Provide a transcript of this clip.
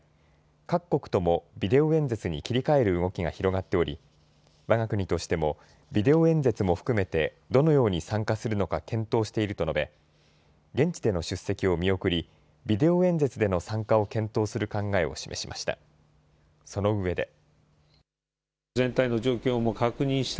各国ともビデオ演説に切り替える動きが広がっておりわが国としてもビデオ演説も含めてどのように参加するのか検討していると述べ現地での出席を見送りビデオ演説での参加を検討する考えを示しました。